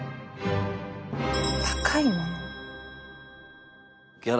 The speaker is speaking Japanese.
高いもの？